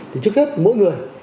thì trước hết mỗi người